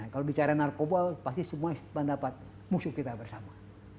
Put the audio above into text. kalau bicara narkoba pasti semua mendapat musuh kita bersama